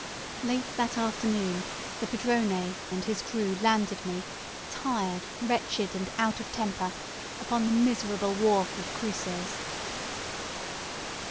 Late that afternoon, the padrone and his crew landed me, tired, wretched, and out of temper, upon the miserable wharf of Cruces.